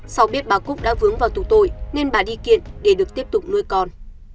sau biết bà cúc đã vướng vào tù tội nên bà đi kiện để được tiếp tục nuôi con